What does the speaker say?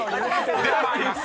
［では参ります。